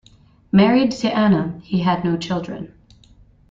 Married to Anna, he had no children.